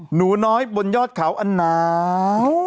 หนูน้อยบนยอดเขาอันหนาว